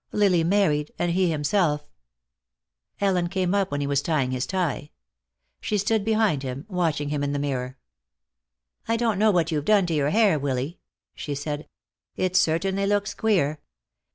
Lily married, and he himself Ellen came up when he was tying his tie. She stood behind him, watching him in the mirror. "I don't know what you've done to your hair, Willy," she said; "it certainly looks queer."